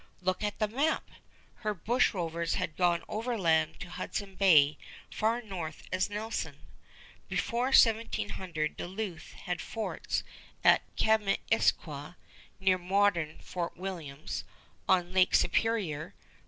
Look at the map! Her bushrovers had gone overland to Hudson Bay far north as Nelson. Before 1700 Duluth had forts at Kaministiquia (near modern Fort Williams) on Lake Superior.